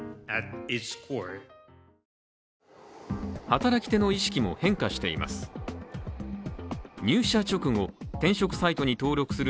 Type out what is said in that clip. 働き手の意識も変化しています。